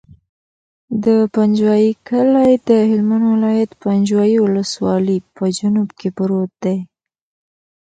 د پنجوایي کلی د هلمند ولایت، پنجوایي ولسوالي په جنوب کې پروت دی.